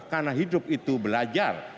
karena hidup itu belajar